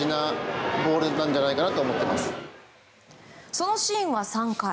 そのシーンは３回。